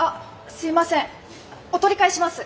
すいませんお取り替えします。